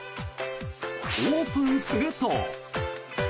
オープンすると。